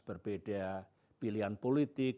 berbeda pilihan politik